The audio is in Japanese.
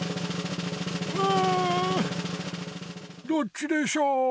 うんどっちでしょう？